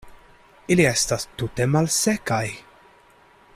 Ili estas tute malsekaj.